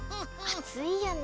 あついよね。